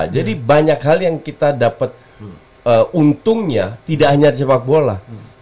jadi banyak hal yang kita dapat untungnya tidak hanya di sepak bola